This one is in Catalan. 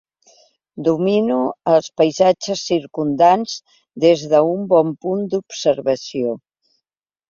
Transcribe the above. Domino els paisatges circumdants des d'un bon punt d'observació.